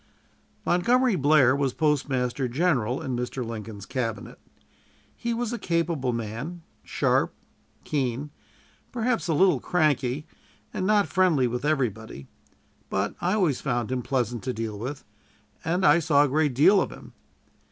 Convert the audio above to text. Montgomery Blair was Postmaster General in Mr. Lincoln's Cabinet. He was a capable man, sharp, keen, perhaps a little cranky, and not friendly with everybody; but I always found him pleasant to deal with, and I saw a great deal of him.